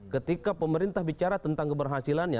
ketika pemerintah bicara tentang keberhasilannya